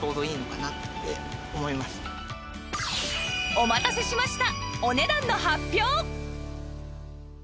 お待たせしました！